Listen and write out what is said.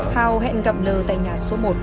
hào hẹn gặp l tại nhà số một